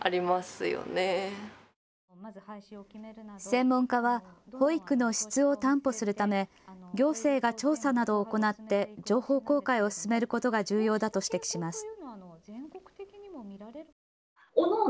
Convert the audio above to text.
専門家は保育の質を担保するため行政が調査などを行って情報公開を進めることが重要だと指摘します。